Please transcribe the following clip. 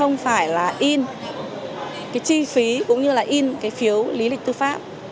không phải là in cái chi phí cũng như là in cái phiếu lý lịch tư pháp